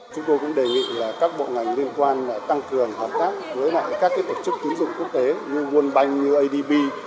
chúng tôi cũng đề nghị là các bộ ngành liên quan tăng cường hợp tác với các tổ chức tín dụng quốc tế như world bank như adb